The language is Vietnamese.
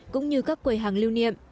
cũng như các quầy hàng lưu niệm